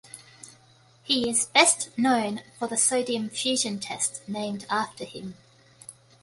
He is best known for the sodium fusion test named after him.